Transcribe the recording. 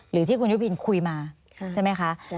หรือที่คุณยุพินคุยมาใช่ไหมคะ